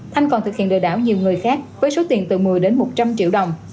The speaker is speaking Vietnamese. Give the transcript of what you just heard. thanh còn thực hiện lừa đảo nhiều người khác với số tiền từ một mươi đến một trăm linh triệu đồng